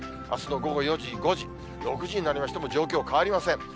あすの午後４時、５時、６時になりましても状況は変わりません。